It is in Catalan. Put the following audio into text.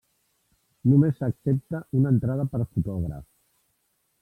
Només s'accepta una entrada per fotògraf.